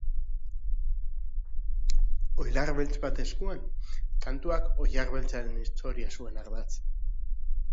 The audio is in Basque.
Oilar beltz bat eskuan, kantuak oilar beltzaren historia zuen ardatz.